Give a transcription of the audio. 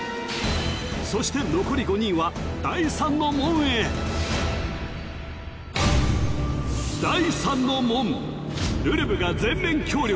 そして残り５人は第三の門へ第三の門るるぶが全面協力！